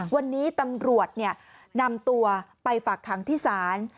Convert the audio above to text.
วันนี้ตำรวจเนี่ยนำตัวไปฝักหางที่ศาล